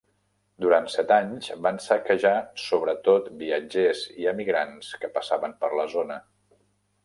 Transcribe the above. Durant set anys van saquejar sobretot viatgers i emigrants que passaven per la zona.